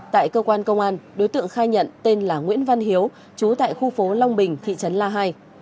tại cơ quan công an đối tượng khai nhận tên là nguyễn văn hiếu chú tại khu phố long bình thị trấn la hai